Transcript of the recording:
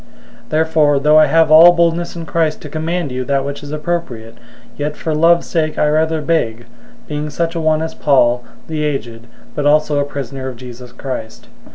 001:008 Therefore, though I have all boldness in Christ to command you that which is appropriate, 001:009 yet for love's sake I rather beg, being such a one as Paul, the aged, but also a prisoner of Jesus Christ.